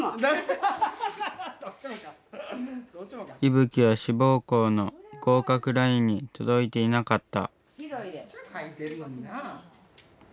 いぶきは志望校の合格ラインに届いていなかった。